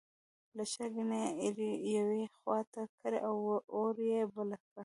له چرګۍ نه یې ایرې یوې خوا ته کړې او اور یې بل کړ.